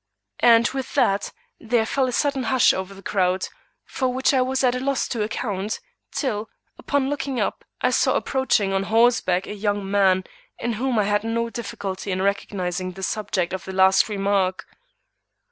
And with that there fell a sudden hush over the crowd, for which I was at a loss to account, till, upon looking up, I saw approaching on horseback, a young man in whom I had no difficulty in recognizing the subject of the last remark.